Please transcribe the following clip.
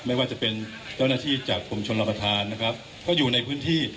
ไม่ว่าจะเป็นเจ้าหน้าที่จากกรมชนรับประทานนะครับก็อยู่ในพื้นที่